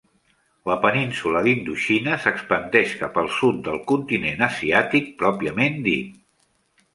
La península d'Indoxina s'expandeix cap al sud del continent asiàtic pròpiament dit.